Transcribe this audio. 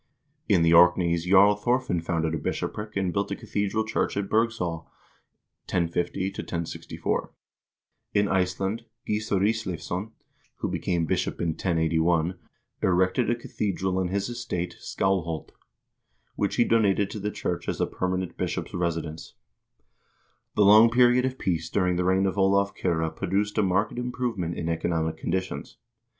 In the Orkneys Jarl Thorfinn founded a bishopric and built a cathedral church at Birgsaa 1050 1064.1 In Iceland Gissur Isleivsson, who became bishop in 1081, erected a cathedral on his estate Skalholt, which he donated to the church as a permanent bishop's residence. The long period of peace during the reign of Olav Kyrre produced a marked improvement in economic conditions.